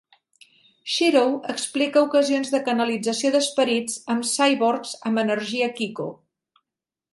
Shirow explica ocasions de canalització d'esperits en cyborgs amb energia kiko.